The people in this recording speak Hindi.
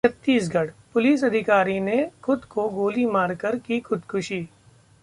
छत्तीसगढ़ः पुलिस अधिकारी ने खुद को गोली मारकर की खुदकुशी